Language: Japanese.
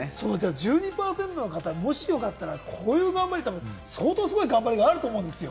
１２％の方、もしよかったら、こういう頑張りとか相当すごい頑張りがあると思うんですよ。